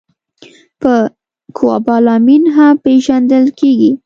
په کوبالامین هم پېژندل کېږي